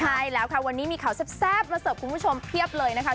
ใช่แล้วค่ะวันนี้มีข่าวแซ่บมาเสิร์ฟคุณผู้ชมเพียบเลยนะคะ